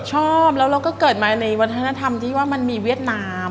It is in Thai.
ชอบแล้วเราก็เกิดมาในวัฒนธรรมที่ว่ามันมีเวียดนาม